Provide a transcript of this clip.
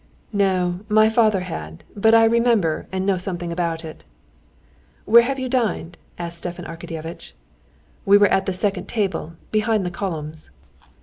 "No, my father had; but I remember and know something about it." "Where have you dined?" asked Stepan Arkadyevitch. "We were at the second table, behind the columns."